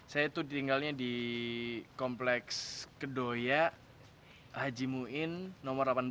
saya itu tinggalnya di kompleks kedoya haji muin nomor delapan belas